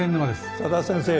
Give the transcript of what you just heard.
佐田先生